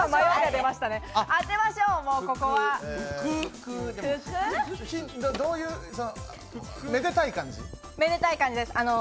当てましょう、もうここは。めでたい漢字です。